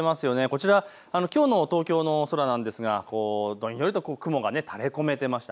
こちらきょうの東京の空なんですがどんよりと雲が垂れこめていました。